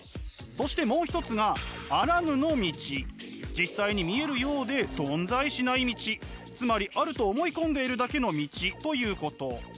実際に見えるようで存在しない道つまりあると思い込んでいるだけの道ということ。